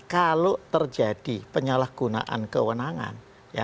kalau terjadi penyalahgunaan kewenangan